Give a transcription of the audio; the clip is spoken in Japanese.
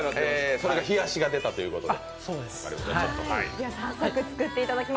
それの冷やしが出たということで。